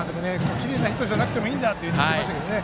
きれいなヒットじゃなくてもいいんだというふうに言ってましたけどね